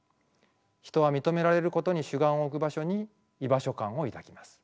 人は認められることに主眼を置く場所に居場所感を抱きます。